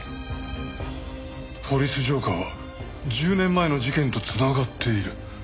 「ポリス浄化ぁ」は１０年前の事件と繋がっている。